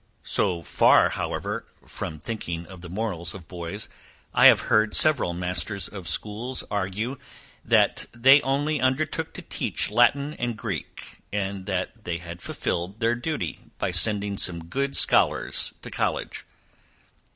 So far, however, from thinking of the morals of boys, I have heard several masters of schools argue, that they only undertook to teach Latin and Greek; and that they had fulfilled their duty, by sending some good scholars to college.